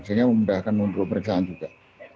sehingga memudahkan untuk pemeriksaan juga